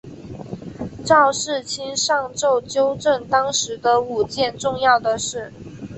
赵世卿上奏纠正当时的五件重要的事。